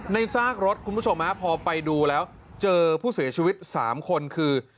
ซากรถคุณผู้ชมพอไปดูแล้วเจอผู้เสียชีวิต๓คนคือ